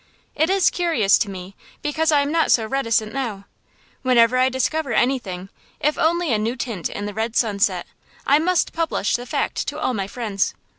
It is curious to me because I am not so reticent now. When I discover anything, if only a new tint in the red sunset, I must publish the fact to all my friends.